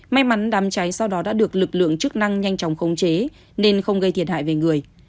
may mắn đám cháy sau đó đã được lực lượng chức năng nhanh chóng khống chế nên không gây thiệt hại về người